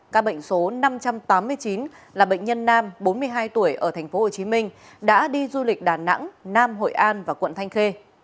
các bệnh số năm trăm tám mươi chín là bệnh nhân nam bốn mươi hai tuổi ở tp hcm đã đi du lịch đà nẵng nam hội an và quận thanh khê